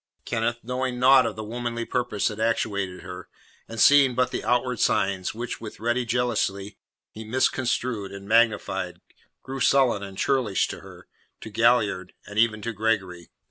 Kenneth, knowing naught of the womanly purpose that actuated her, and seeing but the outward signs, which, with ready jealousy, he misconstrued and magnified, grew sullen and churlish to her, to Galliard, and even to Gregory.